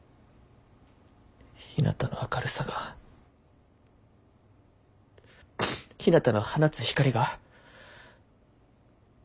ひなたの明るさがひなたの放つ光が。